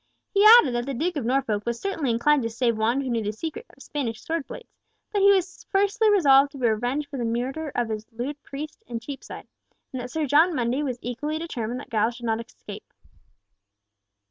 He added that the Duke of Norfolk was certainly inclined to save one who knew the secret of Spanish sword blades; but that he was fiercely resolved to be revenged for the murder of his lewd priest in Cheapside, and that Sir John Mundy was equally determined that Giles should not escape.